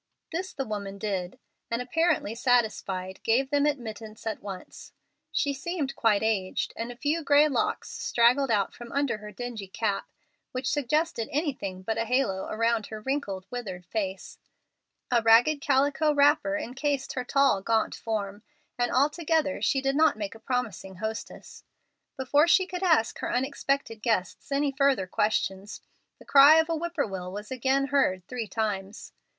This the woman did, and, apparently satisfied, gave them admittance at once. She seemed quite aged, and a few gray locks straggled out from under her dingy cap, which suggested anything but a halo around her wrinkled, withered face. A ragged calico wrapper incased her tall, gaunt form, and altogether she did not make a promising hostess. Before she could ask her unexpected guests any further questions, the cry of a whippoorwill was again heard three times.